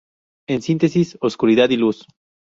En síntesis: Oscuridad y Luz.